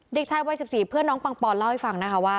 เด็กชายวัย๑๔เพื่อนน้องปังปอนเล่าให้ฟังนะคะว่า